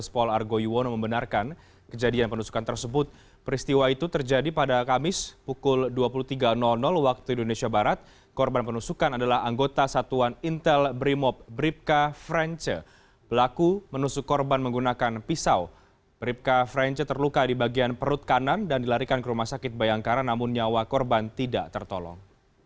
frenche terluka di bagian perut kanan dan dilarikan ke rumah sakit bayangkara namun nyawa korban tidak tertolong